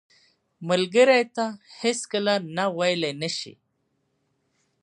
ملګری ته هیڅکله نه ویلې نه شي